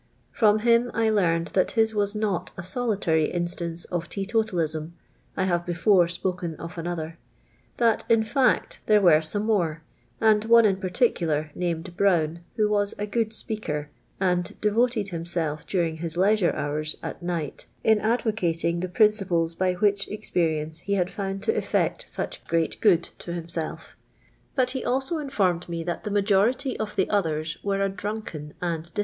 From linn I learned that his was not a solitaiy instance of fetottili^m (I luive be fore spoken of another) : that, in fact, there were some more, and one in |iarticular, named lirown, wlio was a geod i.peaker, and devoted himself dnring his Ifisure iioiirs at nijtht in advocating the prinnples which by experience he had found to elTect such iricat pood to himself; but he also informed me that tlie majority of the others iverc a dninkeii and dit.